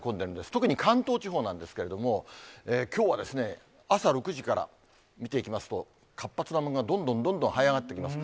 特に関東地方なんですけれども、きょうは朝６時から見ていきますと、活発な雨雲がどんどんどんどんはい上がってきます。